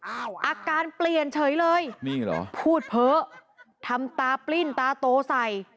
อาการเปลี่ยนเฉยเลยนี่เหรอพูดเพ้อทำตาปลิ้นตาโตใส่